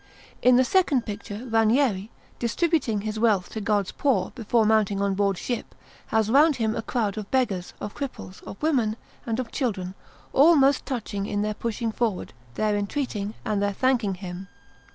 In the second picture Ranieri, distributing his wealth to God's poor before mounting on board ship, has round him a crowd of beggars, of cripples, of women, and of children, all most touching in their pushing forward, their entreating, and their thanking him.